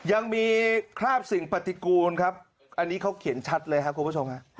อันนี้เขาเขียนชัดเลยครับครับคุณผู้ชม